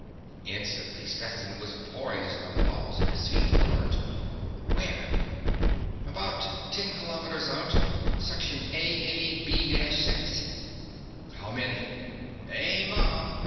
Instantly, Stetson was poised on the balls of his feet, alert. "Where?" "About ten kilometers out. Section AAB 6." "How many?" "A mob.